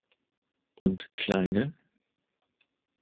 Und kl.